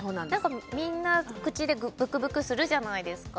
みんな口でブクブクするじゃないですか